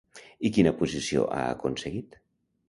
I quina posició ha aconseguit?